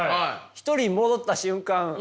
一人に戻った瞬間